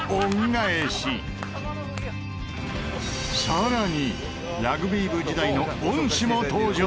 更にラグビー部時代の恩師も登場！